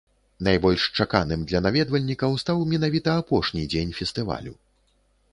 Найбольш чаканым для наведвальнікаў стаў менавіта апошні дзень фестывалю.